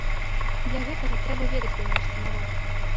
Для гэтага трэба ведаць беларускі народ.